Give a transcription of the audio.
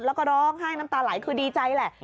แล้วก็ร้องไห้น้ำตาไหลคือดีใจแหละ